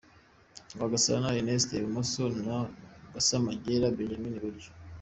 Rwagasana Ernest ibumoso, na Gasamagera Benjamin Iburyo.